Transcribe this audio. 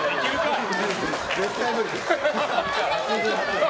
絶対無理。